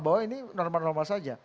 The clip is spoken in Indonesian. bahwa ini normal normal saja